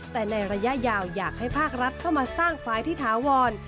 แต่ในระยะยาวอยากให้ภาครัฐเข้ามาสร้างฝ่ายที่ถาวร